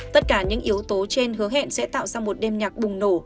tất cả những yếu tố trên hứa hẹn sẽ tạo ra một đêm nhạc bùng nổ